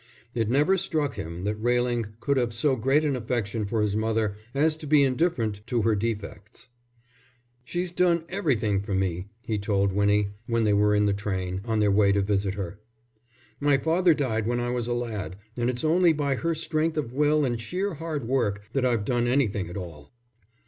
It never struck him that Railing could have so great an affection for his mother as to be indifferent to her defects. "She's done everything for me," he told Winnie, when they were in the train, on their way to visit her. "My father died when I was a lad, and it's only by her strength of will and sheer hard work that I've done anything at all."